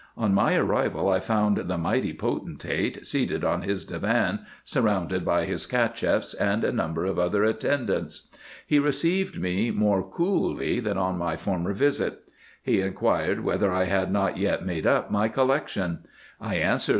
On my arrival, I found the mighty potentate seated on his divan, surrounded by his Cacheffs, and a number of other attendants. He received me more coolly than on my former visit. He inquired whether I had not yet made up my collection. I answered, that, 1!